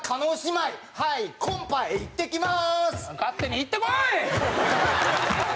はいコンパへいってきます！